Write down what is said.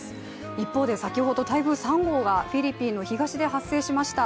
一方で先ほど台風３号がフィリピンの東で発生しました。